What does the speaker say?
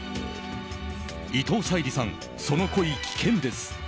伊藤沙莉さん、その恋危険です。